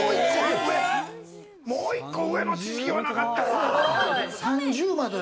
もう１個上の知識はなかったな。